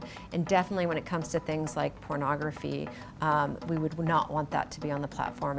dan tentu saja ketika berhubungan dengan pornografi kami tidak ingin itu terjadi di platform